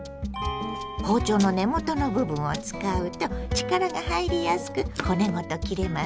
包丁の根元の部分を使うと力が入りやすく骨ごと切れますよ。